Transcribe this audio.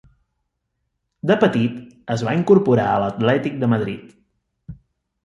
De petit es va incorporar a l'Atlètic de Madrid.